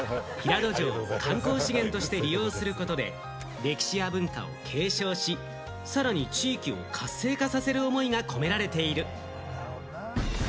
この宿泊は、平戸城を観光資源として利用することで歴史や文化を継承し、さらに地域を活性化させる思いが込められている。